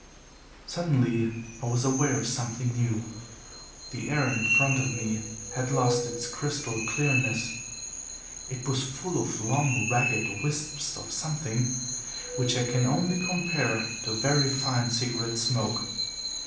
"Suddenly I was aware of something new. The air in front of me had lost its crystal clearness. It was full of long, ragged wisps of something which I can only compare to very fine cigarette smoke.